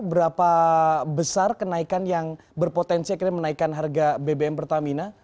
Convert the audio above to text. berapa besar kenaikan yang berpotensi menaikkan harga bbm pertamina